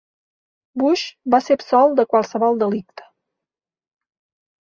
Bush va ser absolt de qualsevol delicte.